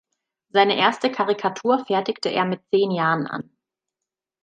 Seine erste Karikatur fertigte er mit zehn Jahren an.